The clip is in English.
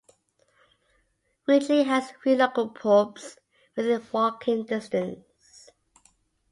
Widley has three local pubs within walking distance.